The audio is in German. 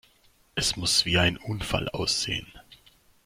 Es muss wie ein Unfall aussehen!